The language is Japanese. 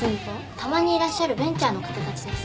たまにいらっしゃるベンチャーの方たちです。